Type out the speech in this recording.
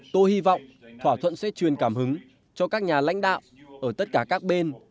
tôi hy vọng thỏa thuận sẽ truyền cảm hứng cho các nhà lãnh đạo ở tất cả các bên